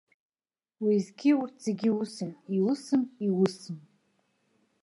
Уеизгьы, урҭ зегьы усым, иусым, иусым!